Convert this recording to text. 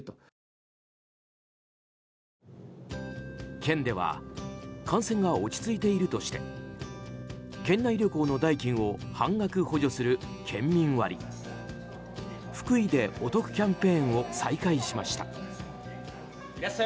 県では感染が落ち着いているとして県内旅行の代金を半額補助する県民割ふくいｄｅお得キャンペーンを再開しました。